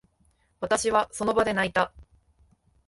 私は、その場で泣いた。